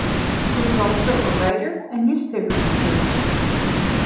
He is also a writer and newspaper contributor.